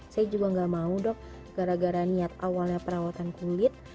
saya juga gak mau dok gara gara niat awalnya perawatan kulit